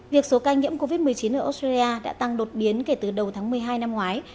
việc số ca nhiễm covid một mươi chín ở australia đã tăng đột biến kể từ đầu tháng một mươi hai năm ngoái